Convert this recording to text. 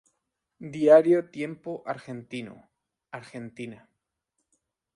Diario Tiempo Argentino, Argentina.